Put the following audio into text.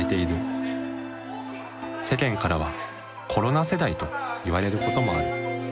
世間からは「コロナ世代」と言われることもある。